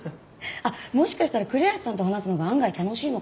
もしかしたら栗橋さんと話すのが案外楽しいのかも。